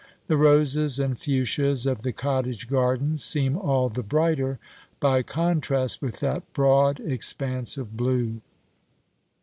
The roses and fuchsias of the cottage gardens seem all the brighter by contrast with that broad expanse of blue.